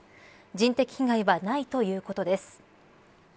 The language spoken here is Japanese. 人的被害はないということです。